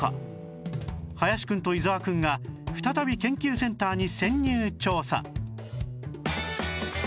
林くんと伊沢くんが再び研究センターに潜入調査